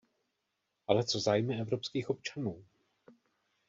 Ale co zájmy evropských občanů?